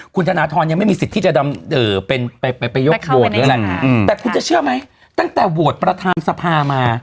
คุณธนทรยังไม่มีสิทธิ์ที่จะไปยกโหวตหรืออะไรแต่คุณจะเชื่อไหมตั้งแต่โหวตประธานสภามา